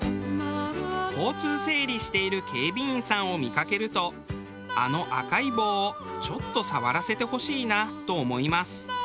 交通整理している警備員さんを見かけるとあの赤い棒をちょっと触らせてほしいなと思います。